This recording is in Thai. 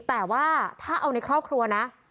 แต่ว่าถ้าเอาในครอบครัวนะ